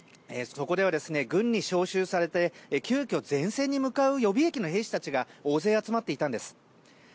そこでは、軍に召集されて急きょ前線に向かう予備の兵士たちが大勢集まっていたんです。